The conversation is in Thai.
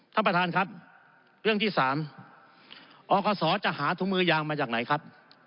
ท่านประธานครับเรื่องที่สามอคศจะหาถุงมือยางมาจากไหนครับ